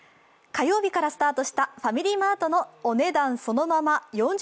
火曜日からスタートしたファミリーマートの「お値段そのまま！！